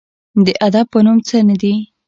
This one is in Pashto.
د ادب په نوم څه نه دي